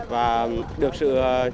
và được sự